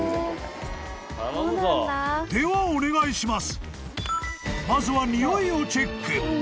［まずは］お願いします。